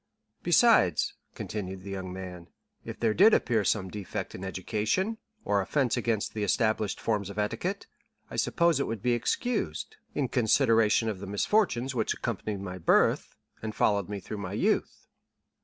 "Besides," continued the young man, "if there did appear some defect in education, or offence against the established forms of etiquette, I suppose it would be excused, in consideration of the misfortunes which accompanied my birth, and followed me through my youth."